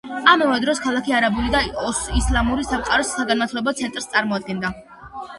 ამავე დროს, ქალაქი არაბული და ისლამური სამყაროს საგანმანათლებლო ცენტრს წარმოადგენდა.